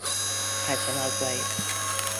凱旋而歸